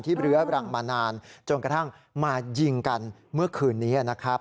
เรื้อรังมานานจนกระทั่งมายิงกันเมื่อคืนนี้นะครับ